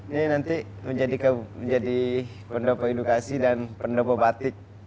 ini nanti menjadi pendopo edukasi dan pendopo batik